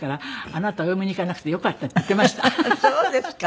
そうですか。